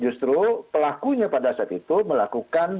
justru pelakunya pada saat itu melakukan